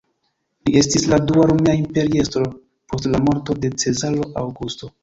Li estis la dua romia imperiestro post la morto de Cezaro Aŭgusto.